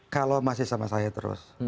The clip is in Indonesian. kalau masih sama saya terus